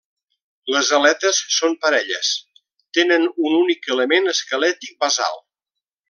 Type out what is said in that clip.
Les aletes són parelles; tenen un únic element esquelètic basal.